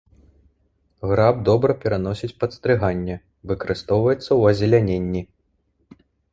Граб добра пераносіць падстрыганне, выкарыстоўваецца ў азеляненні.